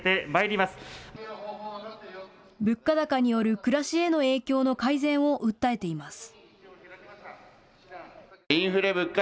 物価高による暮らしへの影響の改善を訴えています。